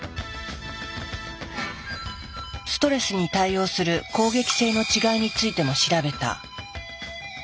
ストレスに対応する攻撃性の違いについても調べた。